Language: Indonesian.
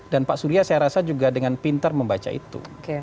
dan pak surya saya rasa juga dengan pintar membaca itu